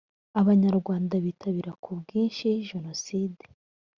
abanyarwanda bitabira ku bwinshi jenoside